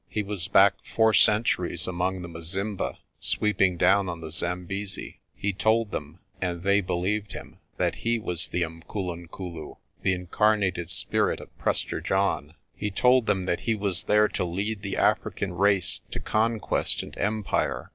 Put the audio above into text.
He was back four centuries among the Mazimba sweeping down on the Zambesi. He told them, and they believed him, that he was the Umkulunkulu, the incarnated spirit of Prester John. He told them that he was there to lead the African race to conquest and empire.